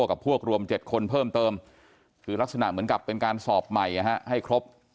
กับพวกรวม๗คนเพิ่มเติมคือลักษณะเหมือนกับเป็นการสอบใหม่ให้ครบ